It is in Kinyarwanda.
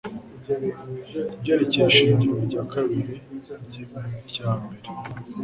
kubyerekeye ishingiro rya kabiri niryambere